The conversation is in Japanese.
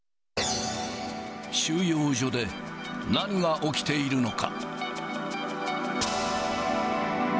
収容所で何が起きているのか。